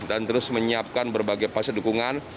dan terus menyiapkan berbagai pasien dukungan